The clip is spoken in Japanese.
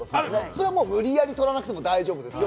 それは無理やり取らなくても大丈夫です。